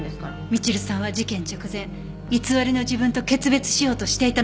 みちるさんは事件直前偽りの自分と決別しようとしていたのかもしれない。